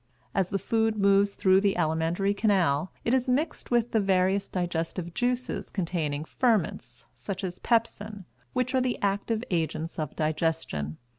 As the food moves through the alimentary canal, it is mixed with the various digestive juices containing ferments, such as pepsin, which are the active agents of digestion.